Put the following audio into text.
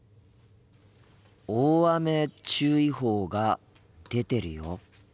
大雨注意報が出てるよ。